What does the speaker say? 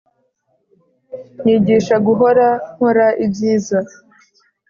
Nyigisha guhora nkora ibyiza